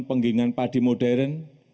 penggiringan padi modern